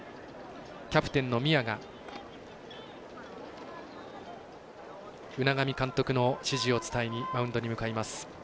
キャプテンの宮が海上監督の指示を伝えにマウンドに向かいます。